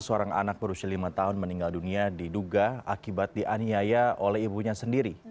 seorang anak berusia lima tahun meninggal dunia diduga akibat dianiaya oleh ibunya sendiri